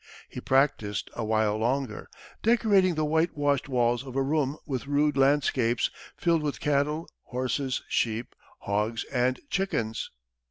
He practiced a while longer, decorating the white washed walls of a room with rude landscapes filled with cattle, horses, sheep, hogs and chickens.